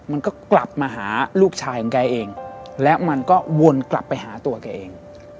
มันก็กลับมาหาลูกชายของแกเองและมันก็วนกลับไปหาตัวแกเอง